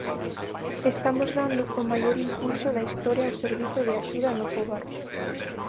Estamos dando o maior impulso da historia ao servizo de axuda no fogar.